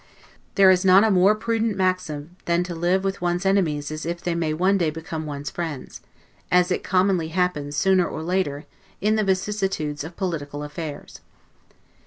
There is not a more prudent maxim than to live with one's enemies as if they may one day become one's friends; as it commonly happens, sooner or later, in the vicissitudes of political affairs.